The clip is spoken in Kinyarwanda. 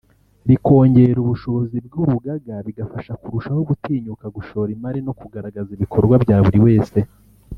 rikongera ubushobozi bw’urugaga bigafasha kurushaho gutinyuka gushora imari no kugaragaza ibikorwa bya buri wese